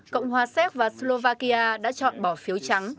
cộng hòa séc và slovakia đã chọn bỏ phiếu trắng